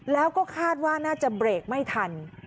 แล้วก็คาดว่าน่าจะเบรกไม่ทัน